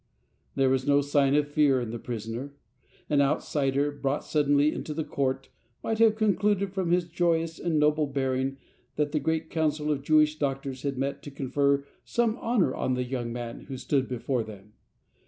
There was no sign of fear in the prisoner. An outsider, brought suddenly into the court, might have concluded from his joyous and noble bearing that the great council of Jewish Doctors had met to confer some honour on the young man who stood before them.